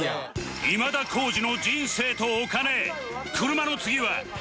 今田耕司の人生とお金